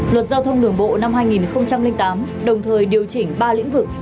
luật giao thông đường bộ năm hai nghìn tám đồng thời điều chỉnh ba lĩnh vực